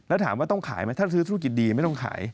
แล้วถามว่าต้องขายไหมถ้าซื้อธุรกิจดีไม่ต้องขาย